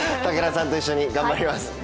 武田さんと一緒に、頑張ります